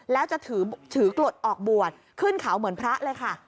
แล้วจะถือกรดออกบวชขึ้นเขาเหมือนพระเลยค่ะ